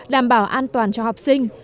đảm bảo an toàn cho học sinh